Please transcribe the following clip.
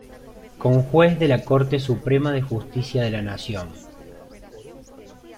Conjuez de la Corte Suprema de Justicia de la Nación.